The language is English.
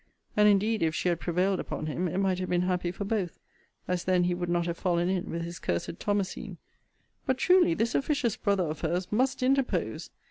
And indeed if she had prevailed upon him, it might have been happy for both; as then he would not have fallen in with his cursed Thomasine. But truly this officious brother of her's must interpose.